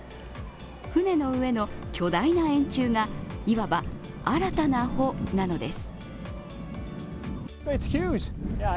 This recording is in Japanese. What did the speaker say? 船の上の巨大な円柱が、いわば新たな帆なのです。